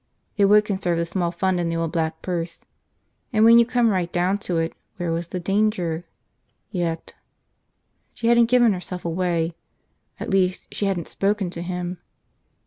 It would conserve the small funds in the old black purse. And when you came right down to it, where was the danger – yet? She hadn't given herself away – at least, she hadn't spoken to him.